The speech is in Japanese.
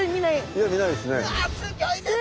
いや見ないですね。